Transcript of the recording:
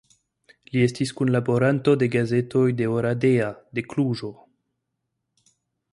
Li estis kunlaboranto de gazetoj de Oradea, de Kluĵo.